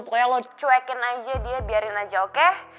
pokoknya lo cuekin aja dia biarin aja oke